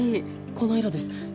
この色です。